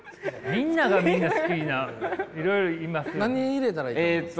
みんながみんな好きないろいろいますよ。